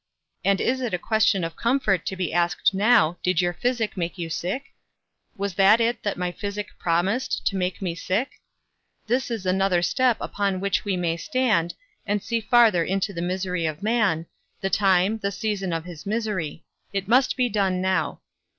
And is it a question of comfort to be asked now, did your physic make you sick? Was that it that my physic promised, to make me sick? This is another step upon which we may stand, and see farther into the misery of man, the time, the season of his misery; it must be done now.